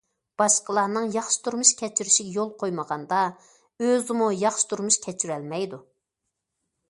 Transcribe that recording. باشقىلارنىڭ ياخشى تۇرمۇش كەچۈرۈشىگە يول قويمىغاندا، ئۆزىمۇ ياخشى تۇرمۇش كەچۈرەلمەيدۇ.